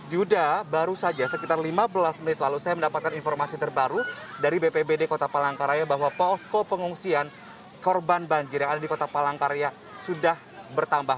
yuda baru saja sekitar lima belas menit lalu saya mendapatkan informasi terbaru dari bpbd kota palangkaraya bahwa posko pengungsian korban banjir yang ada di kota palangkaraya sudah bertambah